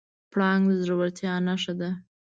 پړانګ د زړورتیا نښه ده.